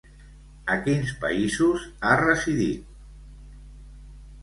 A quins països ha residit?